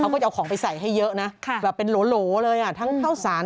เขาก็จะเอาของไปใส่ให้เยอะนะค่ะแบบเป็นโหลโหลเลยอ่ะทั้งเท่าสาร